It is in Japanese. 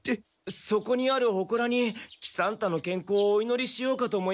そこにあるほこらに喜三太の健康をお祈りしようかと思いまして。